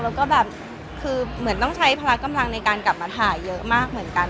แล้วก็แบบคือเหมือนต้องใช้พละกำลังในการกลับมาถ่ายเยอะมากเหมือนกัน